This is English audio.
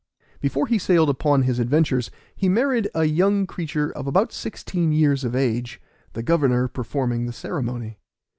Before he sailed upon his adventures, he married a young creature of about sixteen years of age, the governor performing the ceremony.